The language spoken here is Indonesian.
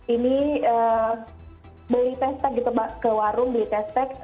ini beli test pack gitu mbak ke warung beli test pack